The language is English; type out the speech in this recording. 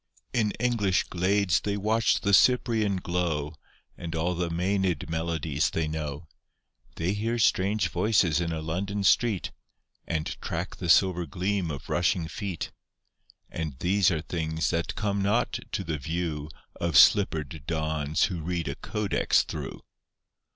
In English glades they watch the Cyprian glow, And all the Maenad melodies they know. They hear strange voices in a London street, And track the silver gleam of rushing feet; And these are things that come not to the view Of slippered dons who read a codex through.